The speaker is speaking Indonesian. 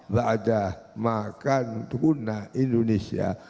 ba'adah ma'akan huna indonesia